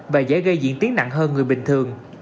và dễ gây diễn tiến nặng hơn người bình thường